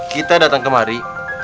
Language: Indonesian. kita datang kemari